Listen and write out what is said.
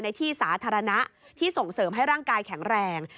ในที่สาธารณะที่ส่งเสริมให้ร่างกายแข็งแรง